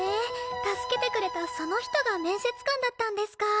助けてくれたその人が面接官だったんですか。